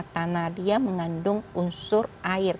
tanah dia mengandung unsur air